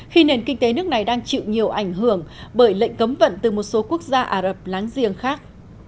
khi nền kinh tế nước này đang chịu nhiều ảnh hưởng bởi lệnh cấm vận từ một số quốc gia ả rập láng giềng khác